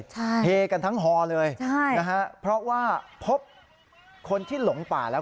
ใช่เฮกันทั้งฮอเลยใช่นะฮะเพราะว่าพบคนที่หลงป่าแล้ว